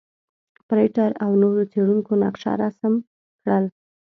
فرېټر او نورو څېړونکو نقشه رسم کړل.